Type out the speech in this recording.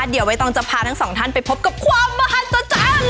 เดี๋ยวใบตองจะพาทั้งสองท่านไปพบกับความมหัศจรรย์